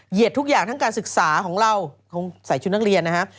ทุกอย่างทั้งการศึกษาของเราคงใส่ชุดนักเรียนนะฮะ